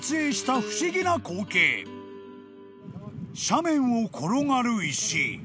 ［斜面を転がる石］